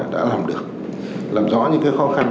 đã làm được làm rõ những khó khăn